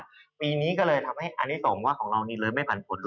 ปีนี้ก็เลยทำให้อันนี้ส่งว่าของเรานี่เลยไม่ผ่านผลเลย